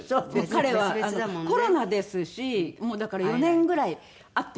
彼はコロナですしもうだから４年ぐらい会ってません。